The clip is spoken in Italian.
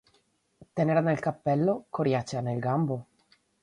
Tenera nel cappello, coriacea nel gambo.